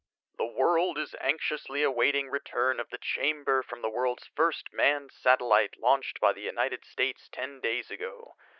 "The world is anxiously awaiting return of the chamber from the world's first manned satellite launched by the United States ten days ago.